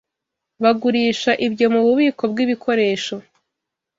Bagurisha ibyo mububiko bwibikoresho.